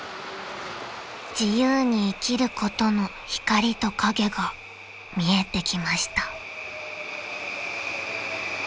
［自由に生きることの光と影が見えてきました］